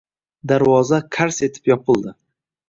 Darvoza qars etib yopildi